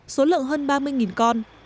số lượng hơn ba mươi con